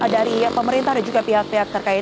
dari pemerintah dan juga pihak pihak terkait